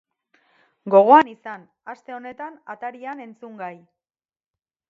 Gogoan izan, aste honetan atarian entzungai!